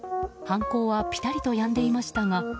犯行はぴたりとやんでいましたが。